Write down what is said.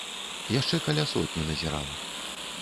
Яшчэ каля сотні назірала.